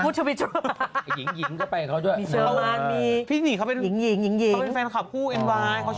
หญิงก็ไปกับเขาด้วย